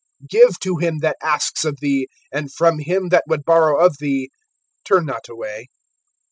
(42)Give to him that asks of thee, and from him that would borrow of thee turn not away.